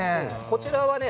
こちらはね